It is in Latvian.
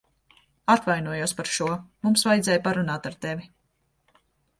Atvainojos par šo. Mums vajadzēja parunāt ar tevi.